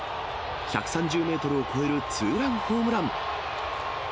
１３０メートルを超えるツーランホームラン。